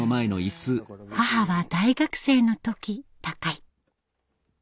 母は大学生の時他界。